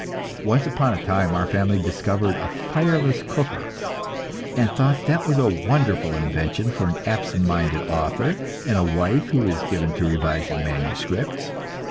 Once upon a time our family discovered a fireless cooker, and thought that was a wonderful invention for an absent minded author and a wife who is given to revising manuscripts.